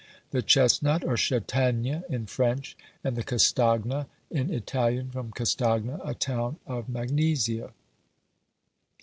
The chestnut, or chataigne in French, and castagna in Italian, from Castagna, a town of Magnesia.